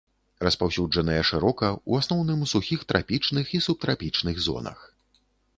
Распаўсюджаныя шырока, у асноўным у сухіх трапічных і субтрапічных зонах.